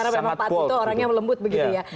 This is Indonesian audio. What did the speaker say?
karena memang pak tito orang yang lembut begitu ya